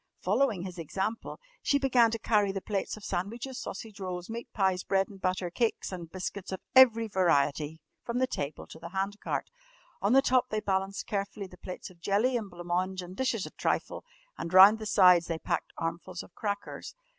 ] Following his example, she began to carry the plates of sandwiches, sausage rolls, meat pies, bread and butter, cakes and biscuits of every variety from the table to the hand cart. On the top they balanced carefully the plates of jelly and blanc mange and dishes of trifle, and round the sides they packed armfuls of crackers.